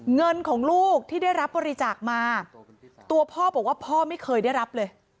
เงินของลูกที่ได้รับบริจาคมาตัวพ่อบอกว่าพ่อไม่เคยได้รับเลย